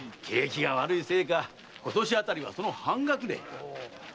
景気が悪いせいか今年あたりはその半額で。